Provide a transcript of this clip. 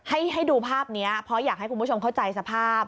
ให้ดูภาพนี้เพราะอยากให้คุณผู้ชมเข้าใจสภาพ